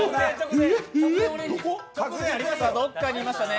どこかにいましたね。